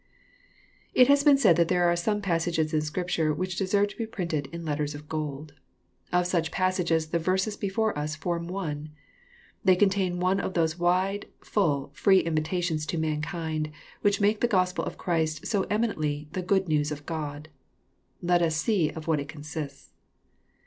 It has been said that there are some passages in Scripture which deserve to be printed in letters of gold. Of such passages the verses before us form one. They contain one of those wide, full, free invitations to mankind, which make the Gospel of Christ so eminently the " good news of God. Let us see of what it consists.